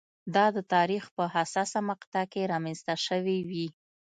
دا د تاریخ په حساسه مقطعه کې رامنځته شوې وي.